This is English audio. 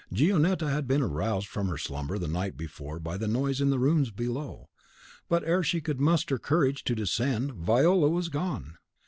Gionetta had been aroused from her slumber the night before by the noise in the rooms below; but ere she could muster courage to descend, Viola was gone!